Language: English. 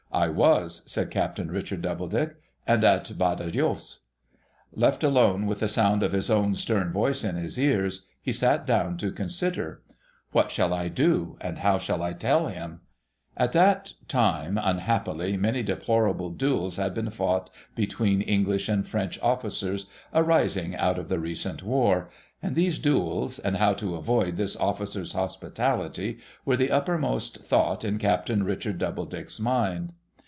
' I was,' said Captain Richard Doubledick. 'And at Badajos.' Left alone with the sound of his own stern voice in his ears, he sat down to consider, What shall I do, and how shall I tell him ? At that time, unhappily, many deplorable duels had been fought between English and French officers, arising out of the recent war ; and these duels, and how to avoid this officer's hospitality, were the uppermost thought in Captain Richard Doubledick's mind.